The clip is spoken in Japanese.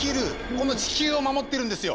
この地球を守ってるんですよ。